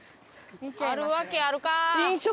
あるわけあるか！